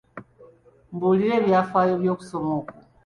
Mbuulira ebyafaayo by'okusoma kwo.